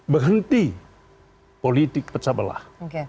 berhenti politik pecah belah